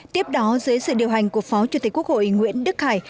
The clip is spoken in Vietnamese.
tiếp đó dưới sự điều hành của phó chủ tịch quốc hội nguyễn đức khải